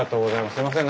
すみません。